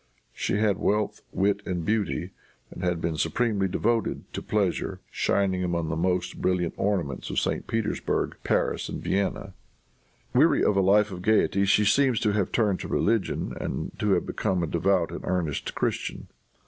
She had wealth, wit and beauty, and had been supremely devoted to pleasure, shining among the most brilliant ornaments of St. Petersburg, Paris and Vienna. Weary of a life of gayety, she seems to have turned to religion and to have become a devout and earnest Christian.